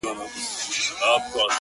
• چي د سیمي اوسېدونکي ,